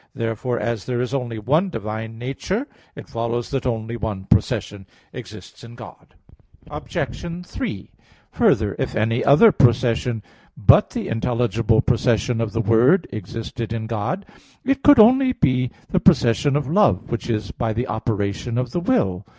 Therefore, as there is only one divine nature (Q. 11, A. 4), it follows that only one procession exists in God. Obj. 3: Further, if any other procession but the intelligible procession of the Word existed in God, it could only be the procession of love, which is by the operation of the will.